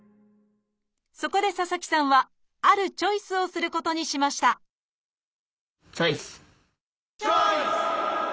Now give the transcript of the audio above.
そこで佐々木さんはあるチョイスをすることにしましたチョイス！